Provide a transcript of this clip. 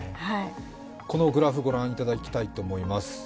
このグラフ御覧いただきたいと思います。